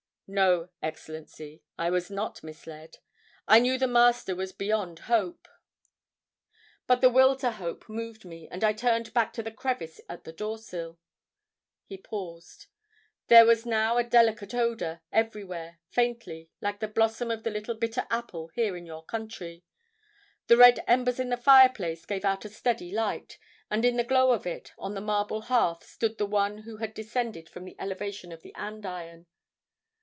No, Excellency, I was not misled. I knew the Master was beyond hope! But the will to hope moved me, and I turned back to the crevice at the doorsill." He paused. "There was now a delicate odor, everywhere, faintly, like the blossom of the little bitter apple here in your country. The red embers in the fireplace gave out a steady light; and in the glow of it, on the marble hearth, stood the one who had descended from the elevation of the andiron."